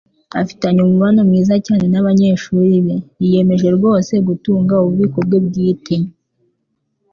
Afitanye umubano mwiza cyane nabanyeshuri be. Yiyemeje rwose gutunga ububiko bwe bwite.